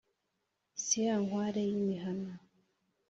si ya nkware y' imihana